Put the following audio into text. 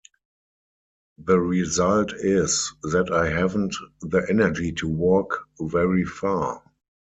The result is that I haven't the energy to walk very far.